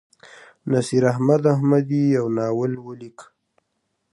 نصیراحمد احمدي یو ناول ولیک.